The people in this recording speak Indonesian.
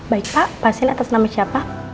baik pak pasien atas nama siapa